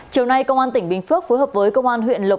chiều nay công an tỉnh bình phước phối hợp với công an huyện bình phước